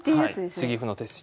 はい継ぎ歩の手筋。